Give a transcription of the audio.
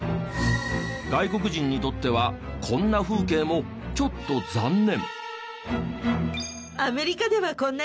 外国人にとってはこんな風景もちょっと残念。